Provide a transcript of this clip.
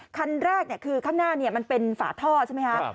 คันแรกคือข้างหน้ามันเป็นฝาท่อใช่ไหมคะ